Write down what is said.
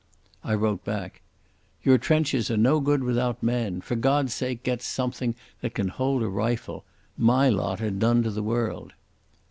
I wrote back: "Your trenches are no good without men. For God's sake get something that can hold a rifle. My lot are done to the world."